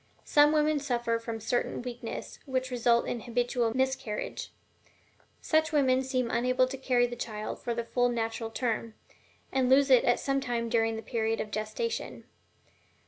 Some women suffer from certain weakness which result in habitual miscarriage; such women seem unable to carry the child for the full natural term, and lose it at some time during the period of gestation.